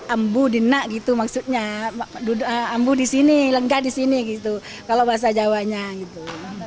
ambo di nna gitu maksudnya ambo di sini lenggah di sini gitu kalau bahasa jawanya gitu